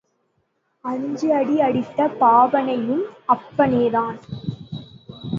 அஞ்சு அடி அடித்த பாவனையும் அப்பனேதான்.